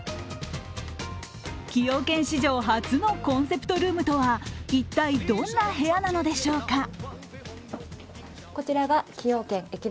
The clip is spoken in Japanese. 崎陽軒史上初のコンセプトルームとは、一体どんな部屋なのでしょうか。